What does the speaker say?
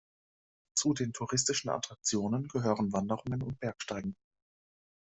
Zu den touristischen Attraktionen gehören Wanderungen und Bergsteigen.